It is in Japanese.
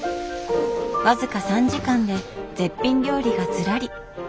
僅か３時間で絶品料理がずらり。